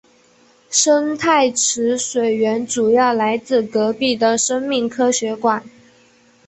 生态池水源主要来自隔壁的生命科学馆。